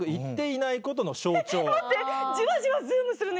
待って！